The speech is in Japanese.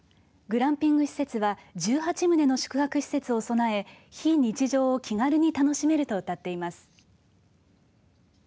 グランピング施設は１８棟の宿泊施設を備え非日常を気軽に楽しめるとうたっています。